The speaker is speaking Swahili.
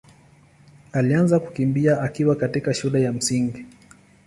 alianza kukimbia akiwa katika shule ya Msingi.